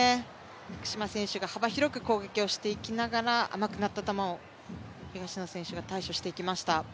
福島選手が幅広く攻撃をしていきながら甘くなった球を東野選手が対処していきました。